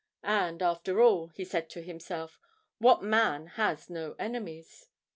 'And after all,' he said to himself, 'what man has no enemies?'